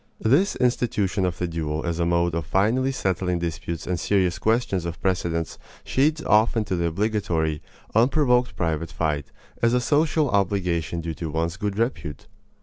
This institution of the duel as a mode of finally settling disputes and serious questions of precedence shades off into the obligatory, unprovoked private fight, as a social obligation due to one's good repute.